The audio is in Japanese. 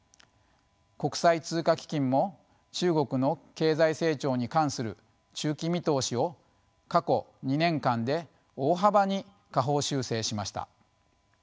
国際通貨基金も中国の経済成長に関する中期見通しを過去２年間で大幅に下方修正しました。